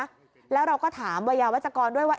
ที่เกิดขึ้นนะแล้วเราก็ถามวัยวจกรด้วยว่า